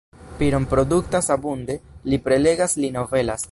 Piron produktas abunde, li prelegas, li novelas.